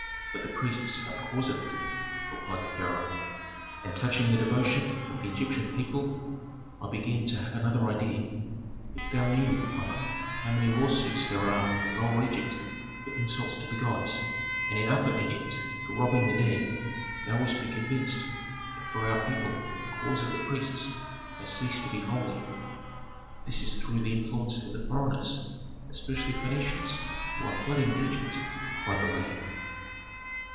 But the priests are the cause of it," replied the pharaoh. "And touching the devotion of the Egyptian people I begin to have another idea. If thou knew, mother, how many lawsuits there are in Lower Egypt for insults to the gods, and in Upper Egypt for robbing the dead, thou wouldst be convinced that for our people the cause of the priests has ceased to be holy." "This is through the influence of foreigners, especially Phœnicians, who are flooding Egypt," cried the lady.